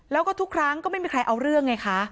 แล้วก็ทุกครั้งก็ไม่มีใครเอาเรื่องไงคะ